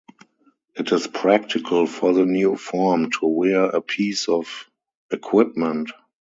It is practical for the new form to wear a piece of equipment.